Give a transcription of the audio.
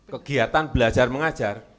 kegiatan belajar mengajar